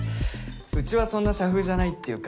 うちはそんな社風じゃないっていうか。